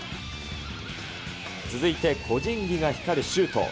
続いて個人技が光るシュート。